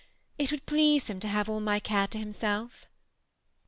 It would please him to have all my care to himself."